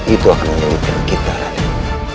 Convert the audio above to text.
itu akan menyelipkan kita raden